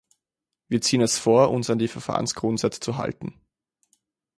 Wir ziehen es vor, uns an die Verfahrensgrundsätze zu halten.